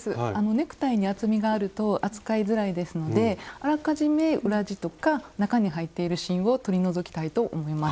ネクタイに厚みがあると扱いづらいですのであらかじめ裏地とか中に入っている芯を取り除きたいと思います。